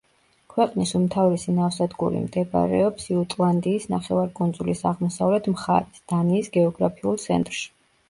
ქვეყნის უმთავრესი ნავსადგური მდებარეობს იუტლანდიის ნახევარკუნძულის აღმოსავლეთ მხარეს, დანიის გეოგრაფიულ ცენტრში.